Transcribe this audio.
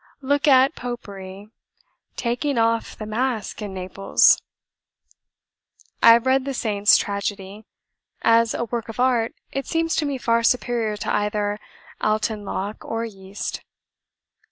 Look at Popery taking off the mask in Naples! "I have read the 'Saints' Tragedy.' As a 'work of art' it seems to me far superior to either 'Alton Locke' or 'Yeast.'